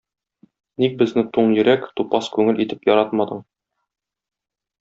Ник безне туң йөрәк, тупас күңел итеп яратмадың?